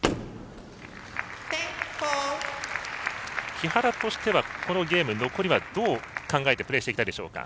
木原としては、このゲーム残りはどう考えてプレーしていきたいでしょうか？